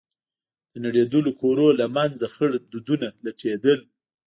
د نړېدلو کورونو له منځه خړ دودونه لټېدل.